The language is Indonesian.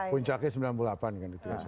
puncaknya sembilan puluh delapan kan